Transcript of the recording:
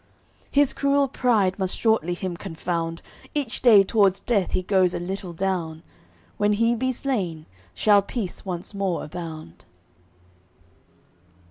His cruel pride must shortly him confound, Each day t'wards death he goes a little down, When he be slain, shall peace once more abound."